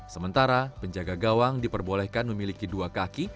sementara penjaga gawang diperbolehkan memiliki dua kaki